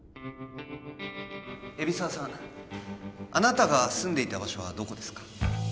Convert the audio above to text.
海老沢さんあなたが住んでいた場所はどこですか？